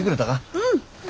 うん。